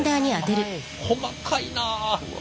細かいなあ。